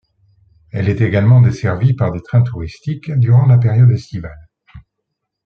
Elle est également desservie par des trains touristiques durant la période estivale.